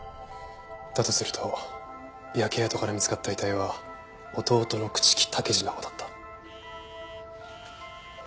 だとすると焼け跡から見つかった遺体は弟の朽木武二のほうだった。